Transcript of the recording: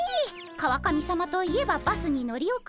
川上さまといえばバスに乗り遅れる。